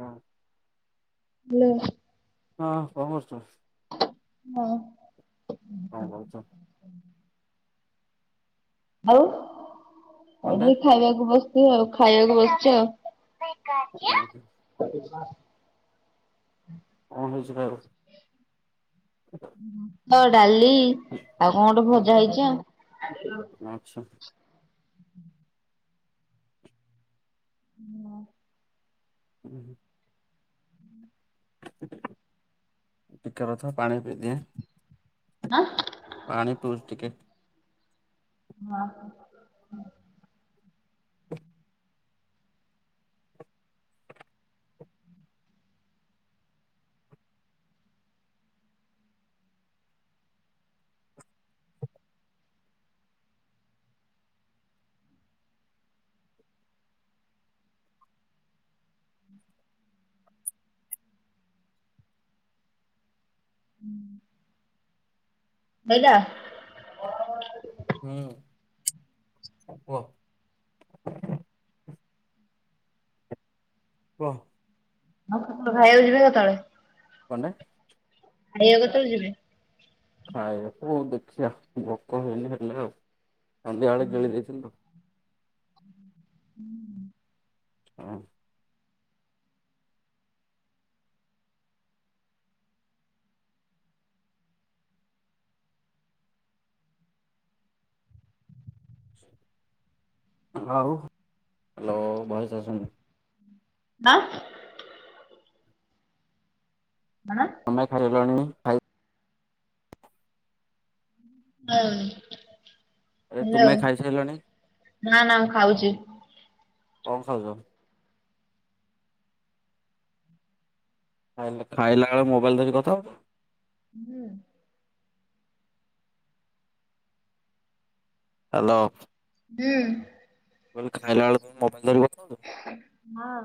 ହଁ ଲା ହଁ କଣ କରୁଛ। ହଁ। କଣ କହୁଛ? ଆଉ ଅଣ୍ଡା ଏଠିକ ଖାଇବାକୁ ବସିଛି ଆଉ ଖାଇବାକୁ ବସିଛି ଆଉ। କଣ ଢ଼ିଙ୍କାଚୁ କଣ ହେଇଛି ଖାଇବାକୁ? ଭାତ ଡାଲି ଆଉ କଣ ଗୋଟେ ଭଜା ହେଇଛି ଆଉ ଆଚ୍ଛା। ହଁ। ହୁଁ ହୁଁ। ଟିକେ କଥା ପାଣି ପିଇଦିଏ। ଆଁ ପାଣି ପିଉଚି ଟିକେ। ହଁ। ସହିଲା। ହୁଁ କୁହ। କୁହ। ହଁ, ଖାଇବାକୁ ଯିବେ କେତବେଳେ। କନଟା। ଖାଇବାକୁ କେତେବେଳେ ଯିବେ? ଖାଇବାକୁ ଦେଖିଆ ଭୋକ ହେଇନି ହେଲେ ଆଉ ସଂନ୍ଧ୍ୟା ବେଳେ ଗିଳି ଦେଇଥିଲି। ହୁଁ। ହଁ। ଆଉ ହ୍ୟାଲୋ ଭଏସ ଆସୁନି। ନା। ହାଁ। ତମେ ଖାଇଲଣି ଖାଇ ହଁ ତୁମେ ହେଲୋ ଖାଇସାରିଲଣି ନା ନା ମୁଁ ଖାଉଛି। କଣ ଖାଉଛ? ଖାଇଲେ ଖାଇଲାବେଳେ ମୋବାଇଲ ଧରି କଥା ହବ। ହୁଁ। ହ୍ୟାଲୋ। ହୁଁ। ମୁଁ କହିଲି ଖାଇଲାବେଳେ କଣ ମୋବାଇଲ ଧରି ଗପୁଛୁ। ହଁ।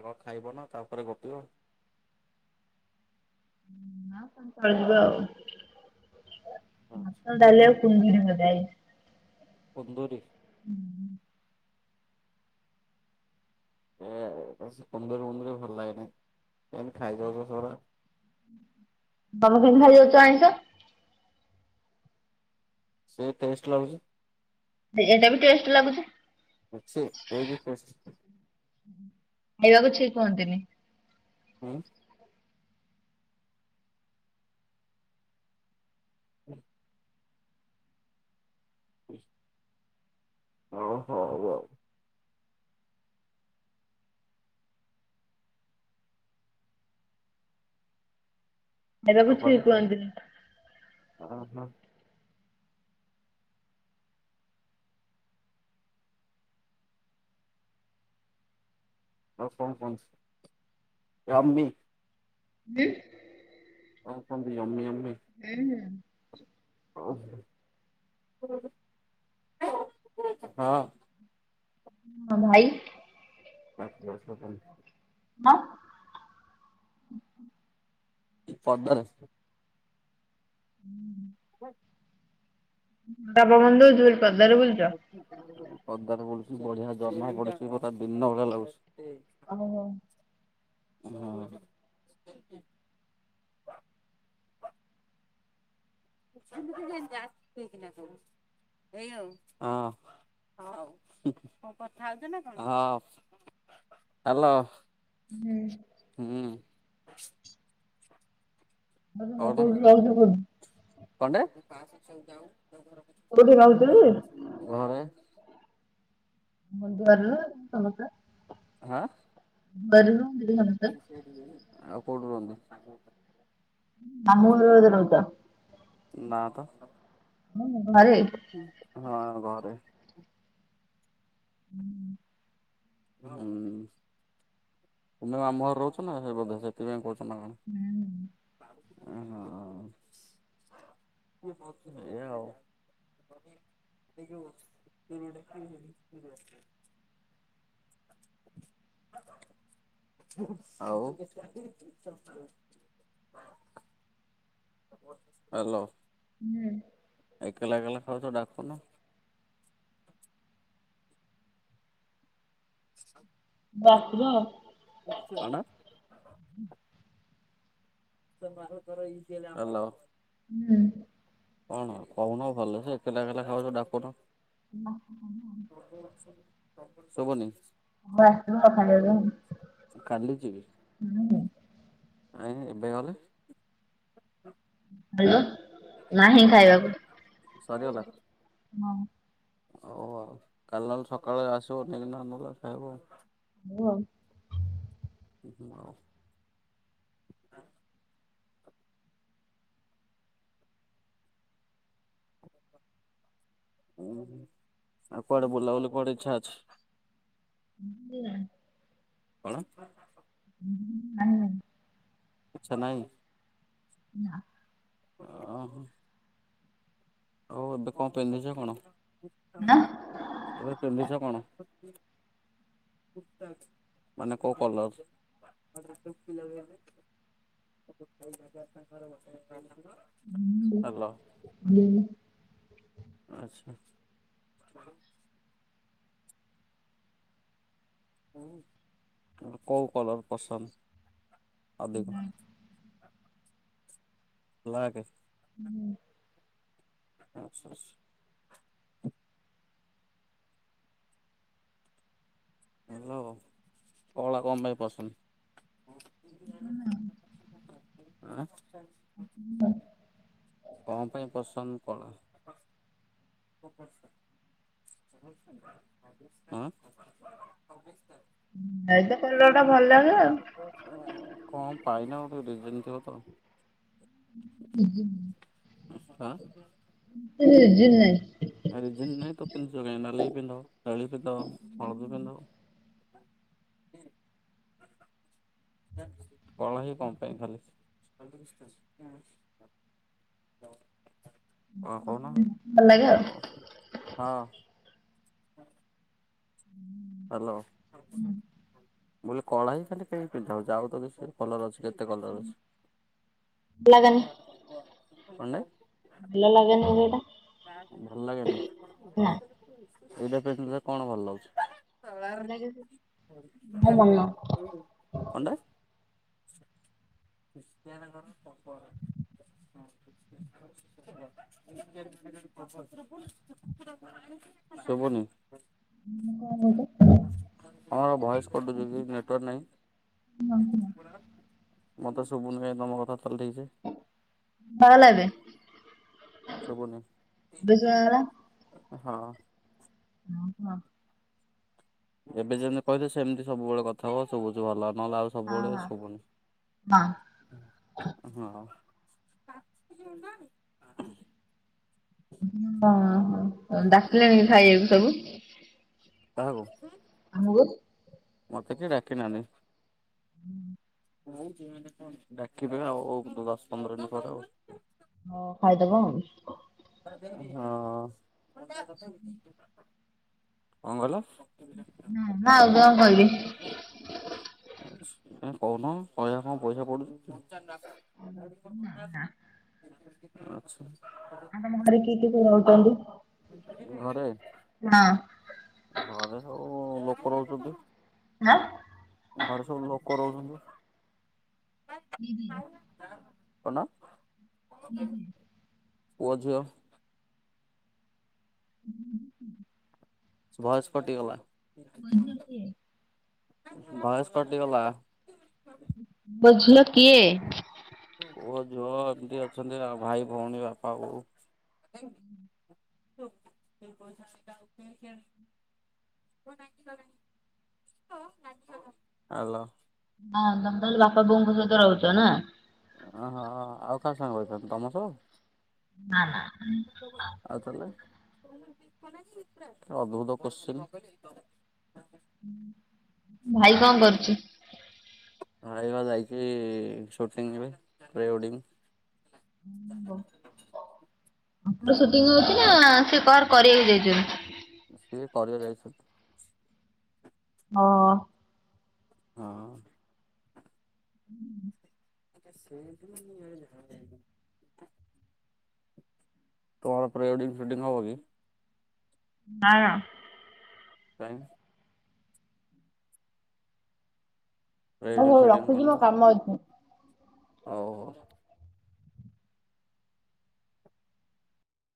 ଆଗ ଖଇଦେଉନ ତା ପରେ ଗପିବ। ନା ଚଳିବ ଆଉ [unintelligible] କୁନ୍ଦୁରି। ହୁଁ। ଏ ସେ କୁନ୍ଦୁରି ମୁନ୍ଦୁରି ଭଲ ଲାଗେନାହିଁ କେମିତି ଖାଇଯାଉଛ ସେ ଗୁରା। ତମେ କେମିତି ଖାଇ ଯାଉଛ ଆଇଁସ। ସେ ଟେଷ୍ଟ ଲାଗୁଛି। ଏଇଟା ବି ଟେଷ୍ଟ ଲାଗୁଚି। [unintelligible] ଭଲ ଲାଗୁଛି କୁହନ୍ତିନି। ହଁ ହୁଁ ହ ଓ ହଉ ଆଉ। ଖାଇବାକୁ ଛି କୁହନ୍ତିନି। ଅହ ଆଉ କଣ କୁହନ୍ତି ୟାମି। ଉନ୍ କଣ କୁହନ୍ତି ୟାମି ୟାମି। ହୁଁ ହୁଁ [inaudible] ମୋ ଭାଇ [unintelligible] ହ ଫଦର ହଁ ପବନ ଦଉଚି ବୋଲି ପଦାରେ ବୁଲୁଚ? ପଦାରେ ବୁଲୁଚୁ ବଢିଆ ଜହ୍ନ ପଡୁଛି ଦିନ ଭଳିଆ ଲାଗୁଛି। ଓହୋ ହୁଁ [unintelligible] ହଁ [unintelligible] ହ୍ୟାଲୋ। ହୁଁ ହୁଁ [unintelligible] କନ୍ତା କୋଉଠି ରହୁଚ କି? ଘରେ [unintelligible] ହଁ [unintelligible] ଆଉ କୋଉଠି ରୁହନ୍ତୁ। [unintelligible] ନା ତ ହଁ ଘରେ ହଁ ଘରେ ହୁଁ ହୁଁ ତୁମେ ଆମ ଘରେ ରହୁଛ ନା ସେ ବଧେ ସେଥିପାଇଁ କହୁଛ। [unintelligible] ହୁଁ। [unintelligible] [unintelligible] ଆଉ ହ୍ୟାଲୋ। ହୁଁ ଏକଲା ଏକଲା ଖାଉଛ ଡାକୁନ। ବାସିବ କଣ? ବାର ଥର ଏଇ କି ହ୍ୟାଲୋ। ହୁଁ। କଣ କହୁନ ଭଲ ସେ ଏକଲା ଏକଲା ଖାଉଛ ଡାକୁନ। ହଁ ହଁ ହ ଶୁଭୁନି। ହଉ ଆସିବ ଆଉ ଖାଇବାକୁ। ଆଉ। କାଲି ଯିବି। ହୁଁ ଆଇଁ ଏବେ ଗଲେ। ହଲ ନାହିଁ ଖାଇବାକୁ। ସରିଗଲା? ହଁ। ହଉ ଆଉ କାଲି ନହେଲେ ସକାଳେ ଆସିବ ନେଇକି ନ ନେଲେ ଖାଇବ ଆଉ। ବୁଅ। [unintelligible] ଆଉ କୁଆଡ଼େ ବୁଲାବୁଲି କୁଆଡ଼େ ଇଚ୍ଛା ଅଛି? [unintelligible] କଣ? ନାଇଁ ନାଇଁ। ଆଚ୍ଛା ନାଇଁ? ନା। ଓହୋ। ଆଉ ଏବେ କଣ ପିନ୍ଧିଛ କଣ? ଏବେ ପିନ୍ଧିଛ କଣ? ମାନେ କୋଉ କଲର? [unintelligible] ହାଲୋ। [unintelligible] ଆଚ୍ଛା। କୋଉ କଲର ପସନ୍ଦ ଅଧିକ? ବ୍ଲାକେ। ହୁଁ। ଆଚ୍ଛା ଆଚ୍ଛା। ହ୍ୟାଲୋ କଳା କଣ ପାଇଁ ପସନ୍ଦ? ହଁ। ଆଁ! [inaudible] କଣ ପାଇଁ ପସନ୍ଦ କର? କମଳ୍ ସାର୍। ହଁ। ଭାଇ ତ କଲରା ଟା ଭଲ ଲାଗେ ଆଉ। ଓହୋ କଣ ପାଇନା ଗୋଟେ ଦି ଦିନ୍ ତିବ ତ। [unintelligible] ହାଁ! ରିଜିନ୍ ନାଇଁ। ଆ ରିଜିନ୍ ନାଇଁ ତ ପିନ୍ଧଚ କାଇଁ? ନାଲି ପିନ୍ଧ, କାଳି ପିନ୍ଧ, ହଳଦୀ ପିନ୍ଧ। ହ ହୁଁ। କହ ହିଁ କଁଅ ପାଇଁ ଖାଲି। କଣ କହୁନ। ଭଲ ଲାଗେ ଆଉ ହଁ। ଆଲୋ ମୁଁ କହିଲି କଳା ହିଁ ଖାଲି ପି ପିନ୍ଧାହଉଛି ଆଉ ତ କିଛି, କଲର ଅଛି କେତେ କଲର ଅଛି, ଭଲ ଲାଗେନି। [unintelligible] ମାନେ। ଭଲ ଲାଗୁନି ସେଟା। ଭଲ ଲାଗେନି, ଏଇଟା କେମିତି କଣ ଭଲ ଲାଗୁଛି। ମୋ ମନ [unintelligible] କଣ ଟାଏ। ଖ୍ରୀଷ୍ଟିୟାନ [unintelligible] ଶଭୁନି। କଣ କହିଲୁ। ହଁ ଭଏସ କଟୁଛି କି ନେଟୱାର୍କ ନାହିଁ। [unintelligible] ମତେ ଶୁଭୁନି କାଇ ତମ କଥା ତାଲିଠଇଛେ। ଭାହାଲ ଏବେ। ଶୁଭୁନି। [unintelligible] ହଁ। ହ ହଁ। ଏବେ ଯେମିତି କହିିବ ସେମିତି ସବୁବେଳେ କଥା ହୁଅ ଶୁଭୁଛି ଭଲ ନହେଲେ ଆଉ ସବୁବେଳେ ଶୁଭୁନି। ହଁ। ହଁ ହ ଡାକିଲେଣି ଖାଇବାକୁ ତାକୁ। କାହାକୁ, ଆମକୁ ମତେ କିଏ ଡାକି ନାହାନ୍ତି। ହୁଁ। [inaudible] ଡାକିଦେବେ ଆଉ ଦଶ ପନ୍ଦର ଦିନ ପରେ ଆଉ। ହଁ ଖାଇଦବ ଆଉ। ହଁ କଣ କହିଲ। ହୁଁ, ଆଉ କଣ କହିବି। [unintelligible] କହୁନ କହିବା କଣ ପଇସା ପଡୁଛି। [inaudible] ଆଚ୍ଛା। ଆ [unintelligible] ତମ ଘରେ କିଏ କିଏ ରହୁଛନ୍ତି। ଘରେ। ହଁ। ଘରେ ସବୁ ଲୋକ ରହୁଛନ୍ତି। ହାଁ। ଘରେ ସବୁ ଲୋକ ରହୁଛନ୍ତି। ଉଁ ହୁଁ। କଣ। ହୁଁ ହୁଁ। ପୁଅ, ଝିଅ। [unintelligible] ଭଏସ କଟିଗଲା, ଭଏସ କଟିଗଲା। ପୁଅ, ଝିଅ କିଏ? ପୁଅ, ଝୁଅ ଦିଦି ଅଛନ୍ତି ଆଉ, ଭାଇ, ଭଉଣୀ, ବାପା, ବୋଉ। [unintelligible] [unintelligible] ହାଲୋ। ହଁ ତମେ ତାହେଲେ ବାପା ବୋଉଙ୍କ ସହିତ ରହୁଛ ନା? ଓହୋ। ଆଉ କାହା ସାଙ୍ଗେ ରହିଥାନ୍ତି ତମ ସହ? ନା ନା ଆଉ ତାହେଲେ ଅଦ୍ଭୁତ କଶ୍ଚିନ୍। ଭାଇ କଣ କରୁଛି? ଭାଇ ବା ଯାଇଛି ସୁଟିଂରେ ପ୍ପ୍ରିୱେଡିଂ। ସୁଟିଙ୍ଗ ଆଁ। ହଉଛି ନା ସେ କଣ କରିବାକୁ ଯାଇଛନ୍ତି? ସିଏ କରିବାକୁ ଯାଇଛନ୍ତି। ଅ ହଁ। ହୁଁ। [unintelligible] କଣ ପ୍ରି ୱେଡଙ୍ଗି ସୁୁଟିଙ୍ଗ ହବକି? ନା ନା। କାଇଁ ହଉ ପ୍ରିୱେଡିଂ ହଉ ସୁଟିଂ ରଖୁଛି ମୋ କାମ ଅଛି। ହୋଉ ହୋଉ।